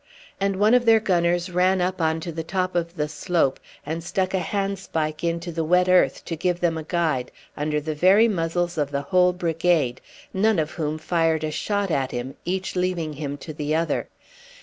And one of their gunners ran up on to the top of the slope and stuck a handspike into the wet earth to give them a guide, under the very muzzles of the whole brigade, none of whom fired a shot at him, each leaving him to the other.